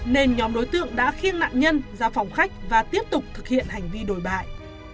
nên nhóm đối tượng đã khiêng nạn nhân ra phòng khách và tiếp tục thực hiện hành vi đổi bại